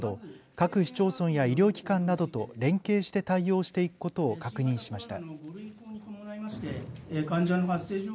各市町村や医療機関などと連携して対応していくことを確認しました。